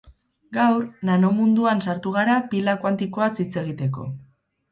Gaur, nanomunduan sartu gara pila kuantikoaz hitz egiteko.